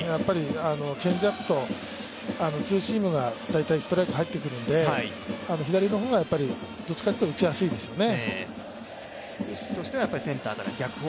チェンジアップとツーシームが大体ストライク入ってくるんで左の方は、どちらかというと打ちやすいですよね。